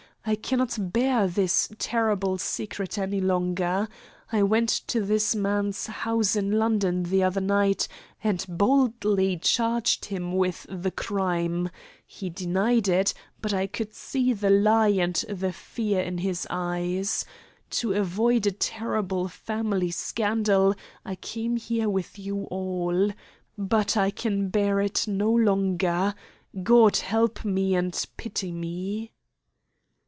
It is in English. I cannot bear this terrible secret any longer. I went to this man's house in London the other night, and boldly charged him with the crime. He denied it, but I could see the lie and the fear in his eyes. To avoid a terrible family scandal I came here with you all. But I can bear it no longer. God help me and pity me!"